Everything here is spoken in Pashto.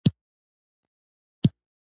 هغه دوربین په لاس کې درلود او کان یې څاره